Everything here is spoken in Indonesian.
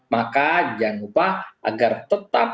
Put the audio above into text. maka jangan lupa agar tetap